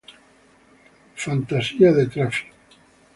Fantasy" de Traffic.